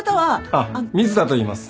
あっ水田といいます。